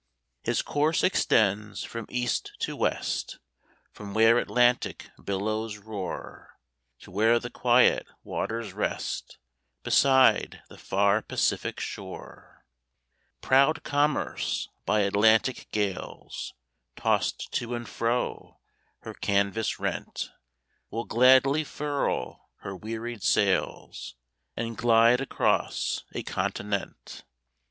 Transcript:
His course extends from East to West From where Atlantic billows roar, To where the quiet waters rest, Beside the far Pacific shore. Proud commerce, by Atlantic gales Tossed to and fro, her canvas rent Will gladly furl her wearied sails, And glide across a continent.